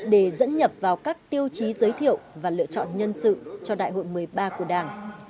để dẫn nhập vào các tiêu chí giới thiệu và lựa chọn nhân sự cho đại hội một mươi ba của đảng